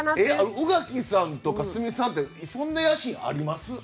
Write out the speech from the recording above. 宇垣さんとか鷲見さんってそんな野心あります？